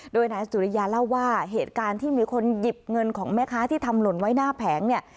โดยนายสุริยาเล่าว่าเหตุการณ์ที่มีคนหยิบเงินของแม่ค้าที่ทำหล่นไว้หน้าแผงเนี่ย